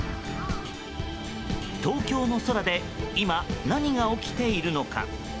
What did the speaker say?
東京の空で今何が起きているのか。